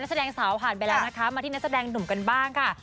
แสดงสาวผ่านไปแล้วนะคะมาที่นักแสดงหนุ่มกันบ้างค่ะ